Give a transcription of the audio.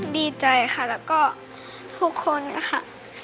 ดีใจค่ะแล้วก็ทุกคนค่ะ